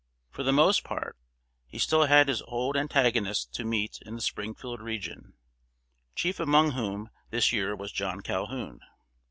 For the most part, he still had his old antagonists to meet in the Springfield region, chief among whom this year was John Calhoun.